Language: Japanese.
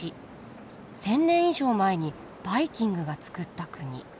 １，０００年以上前にバイキングがつくった国。